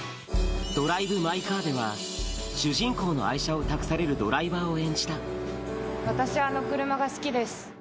ドライブ・マイ・カーでは、主人公の愛車を託されるドライバ私はあの車が好きです。